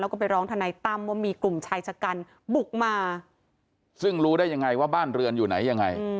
แล้วก็ไปร้องทนายตั้มว่ามีกลุ่มชายชะกันบุกมาซึ่งรู้ได้ยังไงว่าบ้านเรือนอยู่ไหนยังไง